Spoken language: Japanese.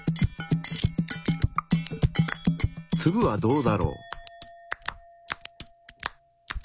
ツブはどうだろう？